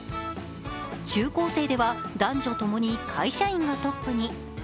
中高生では男女ともに会社員がトップに。